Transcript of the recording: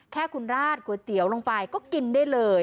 แค่คุณราดก๋วยเตี๋ยวลงไปก็กินได้เลย